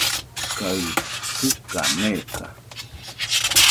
kaɨ jɨka neka